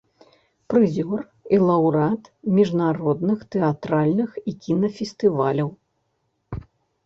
Прызёр і лаўрэат міжнародных тэатральных і кінафестываляў.